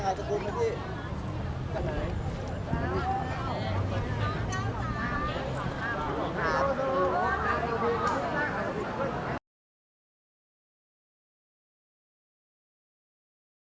กันไหนเอาเอาเอาเอาเอาเอาเอาเอาเอา